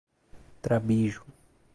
Trabiju